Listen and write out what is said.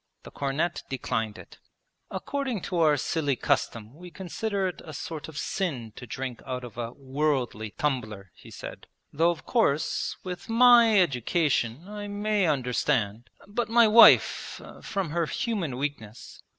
The cornet declined it. 'According to our silly custom we consider it a sort of sin to drink out of a "worldly" tumbler,' he said. 'Though, of course, with my education I may understand, but my wife from her human weakness...'